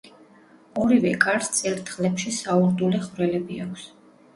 ორივე კარს წირთხლებში საურდულე ხვრელები აქვს.